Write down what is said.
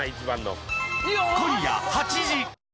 今夜８時。